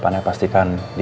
kamu tau gak